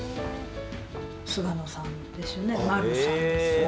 菅野さんですよね、丸さんですよね。